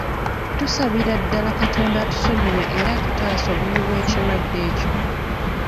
Tusabira ddala Katonda atusonyiwe era atutaase obubi bw'ekirwadde ekyo.